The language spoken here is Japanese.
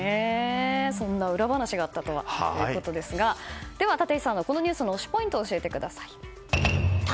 そんな裏話があったとはということですがでは立石さんのこのニュースの推しポイントを教えてください。